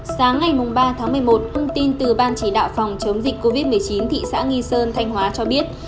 sáng ngày ba tháng một mươi một thông tin từ ban chỉ đạo phòng chống dịch covid một mươi chín thị xã nghi sơn thanh hóa cho biết